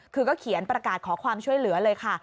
คือก็เขียนประกาศขอความช่วยเหลือเลยค่ะ